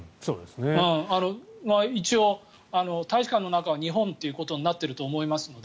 一応、大使館の中は日本ということになっていると思いますので。